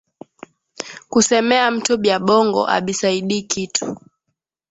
Kusemea mtu bya bongo abisaidii kitu